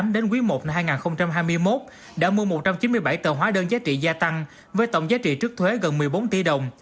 đến quý i năm hai nghìn hai mươi một đã mua một trăm chín mươi bảy tờ hóa đơn giá trị gia tăng với tổng giá trị trước thuế gần một mươi bốn tỷ đồng